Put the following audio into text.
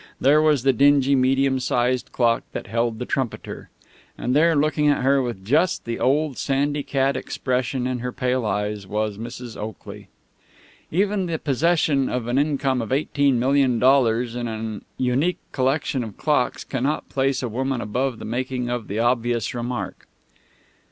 There was the dingy, medium sized clock that held the trumpeter. And there, looking at her with just the old sandy cat expression in her pale eyes, was Mrs. Oakley. Even the possession of an income of eighteen million dollars and a unique collection of clocks cannot place a woman above the making of the obvious remark.